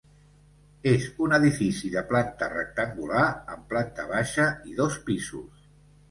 És un edifici de planta rectangular, amb planta baixa i dos pisos.